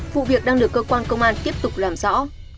vụ việc đang được cơ quan công an tiếp tục làm rõ